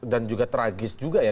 dan juga tragis juga ya